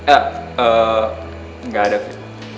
eh gak ada bu